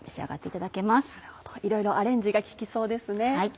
いろいろアレンジが効きそうですね。